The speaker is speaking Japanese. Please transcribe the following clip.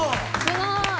すごい！